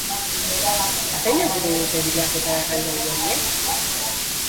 Zein helburu dute bilketa erraldoi horiek?